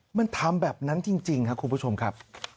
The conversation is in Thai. มันทำแบบนั้นจริงครับคุณผู้ชมครับ